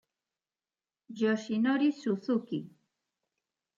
Yoshinori Suzuki